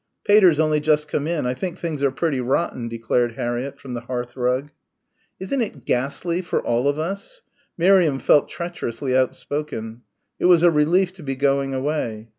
"Pater's only just come in. I think things are pretty rotten," declared Harriett from the hearthrug. "Isn't it ghastly for all of us?" Miriam felt treacherously outspoken. It was a relief to be going away.